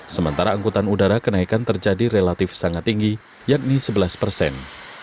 sementara angkutan udara kenaikan terjadi relatif sangat tinggi yakni sebelas persen